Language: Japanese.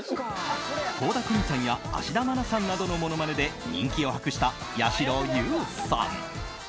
倖田來未さんや芦田愛菜さんなどのものまねで人気を博したやしろ優さん。